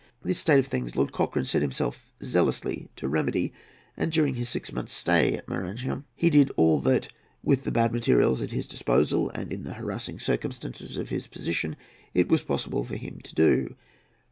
This state of things Lord Cochrane set himself zealously to remedy; and, during his six months' stay at Maranham, he did all that, with the bad materials at his disposal and in the harassing circumstances of his position, it was possible for him to do.